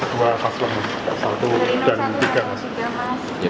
dua paslon satu dan tiga mas